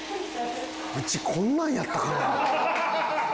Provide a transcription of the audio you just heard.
うちこんなんやったかな？